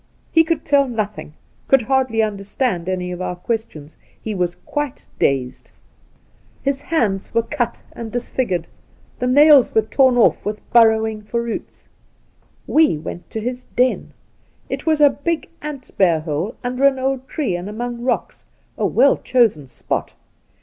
He could teU nothing, could hardly understand any of our questions. He was quite dazed. His hands were cut and dis 8 The Outspan figured, the nails were wprn off with burrowing for roots. We went to his den. It was a big ant bear hole under an old tree and among rocks — a well chosen spot.